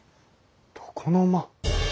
床の間。